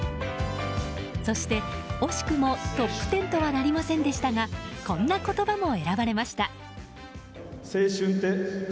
そして、惜しくもトップ１０とはなりませんでしたがこんな言葉も選ばれました。